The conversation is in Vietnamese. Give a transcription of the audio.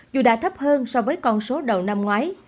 dù đã thấp hơn so với con số đầu năm ngoái